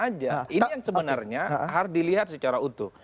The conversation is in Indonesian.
ini yang sebenarnya harus dilihat secara utuh